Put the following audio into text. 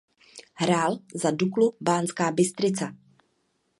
Hrál za Duklu Banská Bystrica.